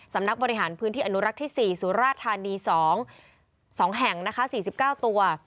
สำนักบริหารพื้นที่อนุรักษ์ที่๔สุราธานี๒แห่งนะคะ๔๙ตัว